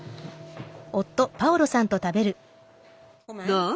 どう？